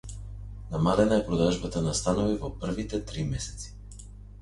Намалена е продажбата на станови во првите три месеци